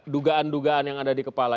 dugaan dugaan yang ada di kepala